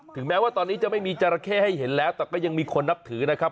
แม้ว่าตอนนี้จะไม่มีจราเข้ให้เห็นแล้วแต่ก็ยังมีคนนับถือนะครับ